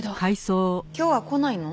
今日は来ないの？